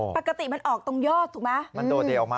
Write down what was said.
ปกติมันออกตรงยอดถูกไหม